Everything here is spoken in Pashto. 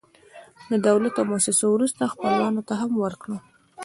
له دولت او موسسو وروسته، خپلوانو ته هم ورکړه.